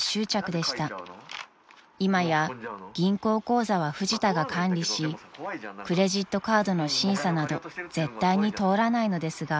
［今や銀行口座はフジタが管理しクレジットカードの審査など絶対に通らないのですが］